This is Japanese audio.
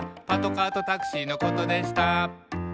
「パトカーとタクシーのことでした」